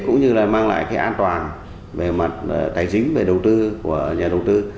cũng như là mang lại cái an toàn về mặt tài chính về đầu tư của nhà đầu tư